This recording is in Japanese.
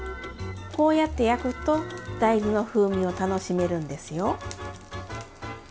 こうやって焼くと大豆の風味を楽しめるんですよ。